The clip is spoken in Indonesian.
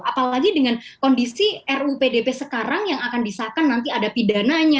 apalagi dengan kondisi ruu pdp sekarang yang akan disahkan nanti ada pidananya